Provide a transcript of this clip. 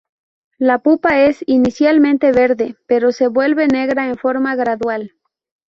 La pupa es, inicialmente, verde, pero se vuelve negra en forma gradual.